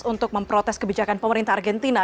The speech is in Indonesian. untuk memprotes kebijakan pemerintah argentina